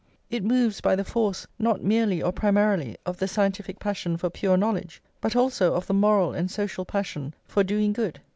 It moves by the force, not merely or primarily of the scientific passion for pure knowledge, but also of the moral and social passion for doing good.